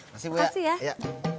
terima kasih ya